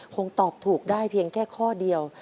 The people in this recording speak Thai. คงตอบถูกได้เพียงแค่ข้อเดียว